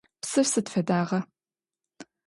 Псыр сыд фэдагъа?